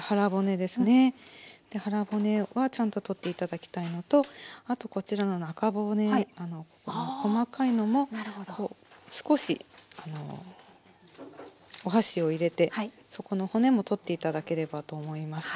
腹骨はちゃんと取って頂きたいのとあとこちらの中骨細かいのも少しお箸を入れてそこの骨も取って頂ければと思います。